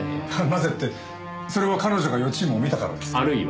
なぜってそれは彼女が予知夢を見たからです。